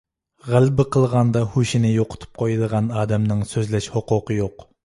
غەلىبە قىلغاندا ھوشىنى يوقىتىپ قويىدىغان ئادەمنىڭ سۆزلەش ھوقۇقى يوق!